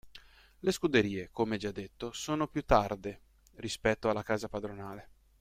Le scuderie, come già detto, sono più tarde rispetto alla casa padronale.